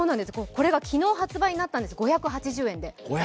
これが昨日発売になったんです、５８０円で。